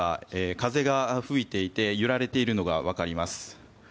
風が吹いていて揺られているのがわかります。